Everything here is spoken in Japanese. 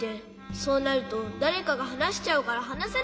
そうなるとだれかがはなしちゃうからはなせないんだ。